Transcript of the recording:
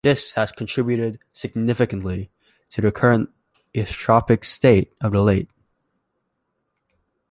This has contributed significantly to the current eutrophic state of the lake.